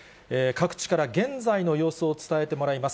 各地から現在の様子を伝えてもらいます。